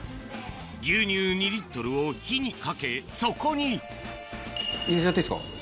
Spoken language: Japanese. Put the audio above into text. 牛乳２を火にかけそこに入れちゃっていいですか？